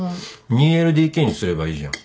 ２ＬＤＫにすればいいじゃん。